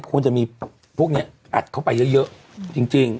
ควรจะมีพวกนี้อัดเข้าไปเยอะจริง